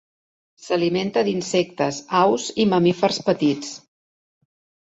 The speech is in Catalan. S'alimenta d'insectes, aus i mamífers petits.